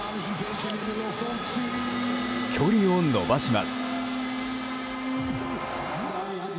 距離を伸ばします。